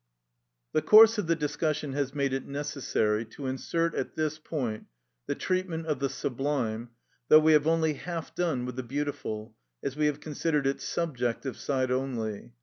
The course of the discussion has made it necessary to insert at this point the treatment of the sublime, though we have only half done with the beautiful, as we have considered its subjective side only.